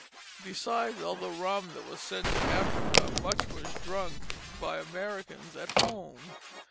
Besides all the rum that was sent to Africa, much was drunk by Americans at home.